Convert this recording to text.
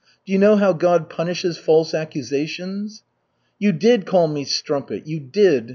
Do you know how God punishes false accusations?" "You did call me strumpet! You did!